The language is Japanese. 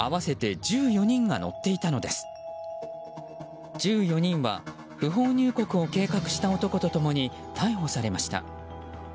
１４人は不法入国を計画した男と共に逮捕されました。